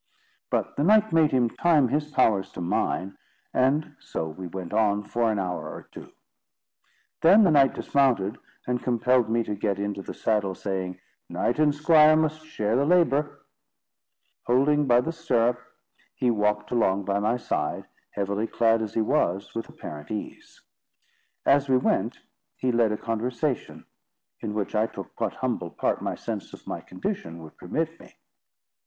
But the knight made him time his powers to mine, and so we went on for an hour or two. Then the knight dismounted, and compelled me to get into the saddle, saying: "Knight and squire must share the labour." Holding by the stirrup, he walked along by my side, heavily clad as he was, with apparent ease. As we went, he led a conversation, in which I took what humble part my sense of my condition would permit me.